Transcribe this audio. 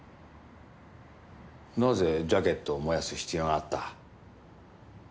なぜジャケットを燃やす必要があった？